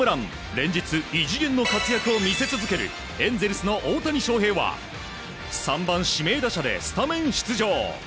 連日、異次元の活躍を見せ続けるエンゼルスの大谷翔平は３番指名打者でスタメン出場。